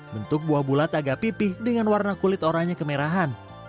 bentuk buah bulat agak pipih dengan warna kulit oranya kemerahan